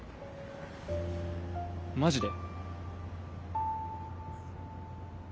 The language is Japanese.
マジで？